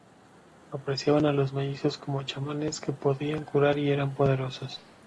Apreciaban a los mellizos como chamanes, que podían curar y eran poderosos.